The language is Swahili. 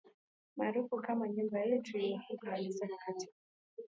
maarufu kama Nyumba yetu inaungua alisema katika